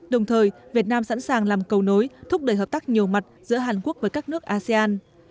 đồng thời việt nam sẵn sàng làm cầu nối thúc đẩy hợp tác nhiều mặt giữa hàn quốc với các nước asean